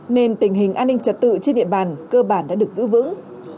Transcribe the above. nên tình hình an ninh trật tự trên địa bàn cơ bản đã được giữ vững